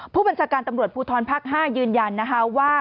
ผู้บัญชาการตำรวจภูทรภาค๕ยืนยันนะคะว่า